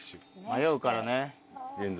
迷うからね。